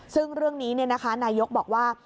ซึ่งเรื่องนี้เนี่ยนะคะนายกบอกว่า